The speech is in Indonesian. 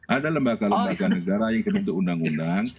ada lembaga lembaga negara yang ketentu undang undang